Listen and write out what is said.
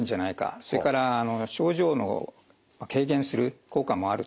それから症状を軽減する効果もあると。